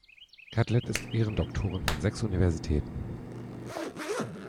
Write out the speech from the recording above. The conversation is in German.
Catlett ist Ehrendoktorin von sechs Universitäten.